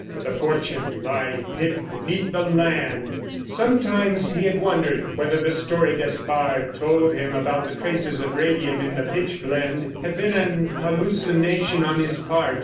With a fortune lying hidden beneath the land! Sometimes he had wondered whether the story Despard told him about the traces of radium in the pitch blende had been an hallucination on his part.